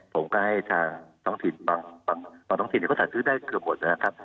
ผมก็ให้ทางท้องถิ่นบางท้องถิ่นเขาจัดซื้อได้เกือบหมดนะครับ